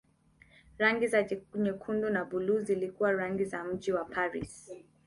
Rangi za nyekundu na buluu zilikuwa rangi za mji wa Paris.